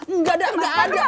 enggak ada enggak ada